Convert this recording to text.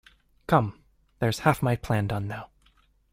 Come, there’s half my plan done now!